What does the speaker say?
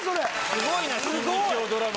すごいな新日曜ドラマ。